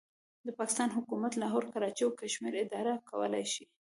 د پاکستان حکومت لاهور، کراچۍ او کشمیر اداره کولای شي.